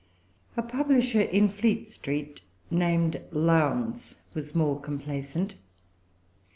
A publisher in Fleet Street, named Lowndes, was more complaisant.